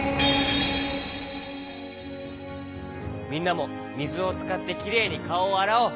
みんなもみずをつかってきれいにかおをあらおう。